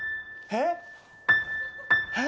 えっ？